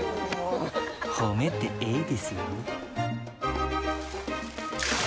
褒めて、えいですよ。